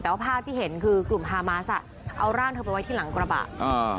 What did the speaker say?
แต่ว่าภาพที่เห็นคือกลุ่มฮามาสอ่ะเอาร่างเธอไปไว้ที่หลังกระบะอ่า